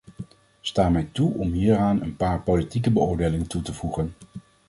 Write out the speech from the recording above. Sta mij toe om hieraan een paar politieke beoordelingen toe te voegen.